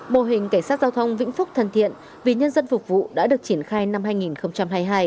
mô hình cảnh sát giao thông vĩnh phúc thân thiện vì nhân dân phục vụ đã được triển khai năm hai nghìn hai mươi hai